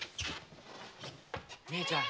・姉ちゃん。